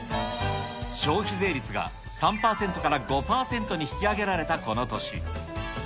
消費税率が３％から５％に引き上げられたこの年。